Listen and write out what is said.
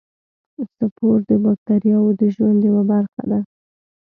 سپور د باکتریاوو د ژوند یوه برخه ده.